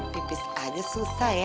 pipis aja susah ya